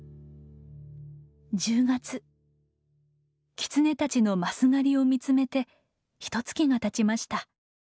キツネたちのマス狩りを見つめてひとつきがたちました。